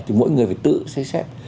thì mỗi người phải tự xếp xếp